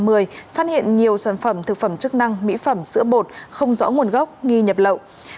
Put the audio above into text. phát hiện nhiều sản phẩm thực phẩm chức năng mỹ phẩm sữa bột không rõ nguồn gốc nghi nhập lậu